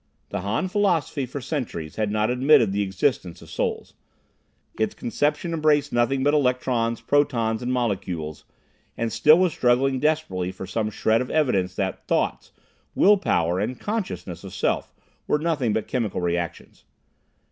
The Han philosophy for centuries had not admitted the existence of souls. Its conception embraced nothing but electrons, protons and molecules, and still was struggling desperately for some shred of evidence that thoughts, will power and consciousness of self were nothing but chemical reactions.